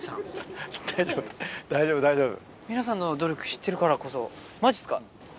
皆さんの努力知ってるからこそマジっすか。